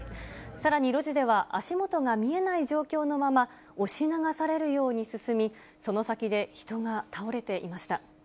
さらに路地では、足元が見えない状況のまま、押し流されるように進み、その先で人が倒れていました。